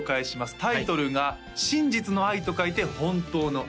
タイトルが「真実の愛」と書いて「真実の愛」